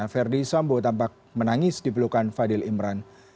verdi sambo tampak menangis di pelukan fadil imran